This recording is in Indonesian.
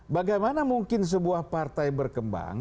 bagaimana mungkin sebuah partai berkembang